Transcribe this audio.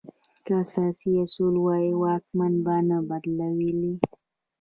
که اساسي اصول وای، واکمن به نه بدلولای.